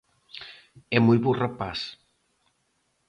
É moi bo rapaz.